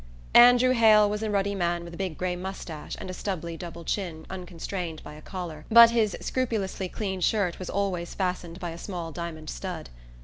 Andrew Hale was a ruddy man with a big gray moustache and a stubbly double chin unconstrained by a collar; but his scrupulously clean shirt was always fastened by a small diamond stud.